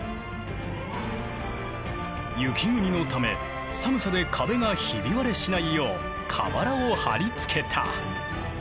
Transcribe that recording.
雪国のため寒さで壁がひび割れしないよう瓦をはりつけた。